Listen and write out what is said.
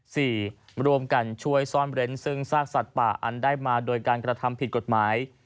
รวมกันช่วยซ่อนเร้นซึ่งซากสัตว์ป่าอันได้มาโดยการกระทำผิดกฎหมาย